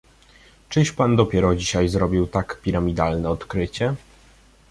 "czyś pan dopiero dzisiaj zrobił tak piramidalne odkrycie?..."